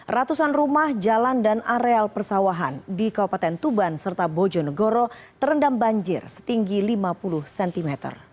ratusan rumah jalan dan areal persawahan di kabupaten tuban serta bojonegoro terendam banjir setinggi lima puluh cm